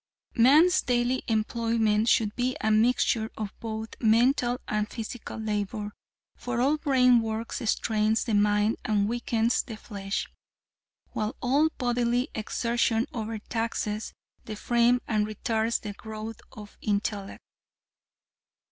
Man's daily employment should be a mixture of both mental and physical labor, for all brain work strains the mind and weakens the flesh, while all bodily exertion over taxes the frame and retards the growth of intellect.